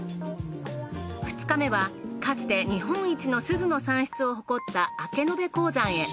２日目はかつて日本一の錫の産出を誇った明延鉱山へ。